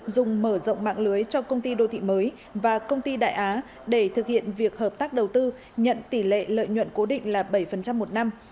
dùng mở rộng mạng lưới cho công ty đô thị mới và công ty đại á để thực hiện việc hợp tác đầu tư nhận tỷ lệ lợi nhuận cố định là bảy một năm